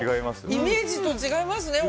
イメージと違いますね。